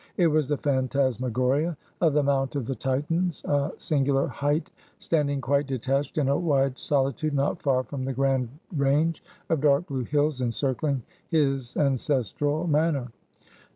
It was the phantasmagoria of the Mount of the Titans, a singular height standing quite detached in a wide solitude not far from the grand range of dark blue hills encircling his ancestral manor.